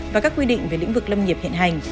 và các quy định về lĩnh vực lâm nghiệp hiện hành